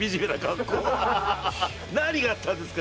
何があったんですか？